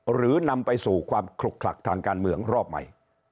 หรือนำไปสู่ความขลุกขลักทางการเมืองรอบใหม่